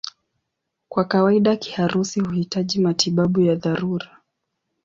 Kwa kawaida kiharusi huhitaji matibabu ya dharura.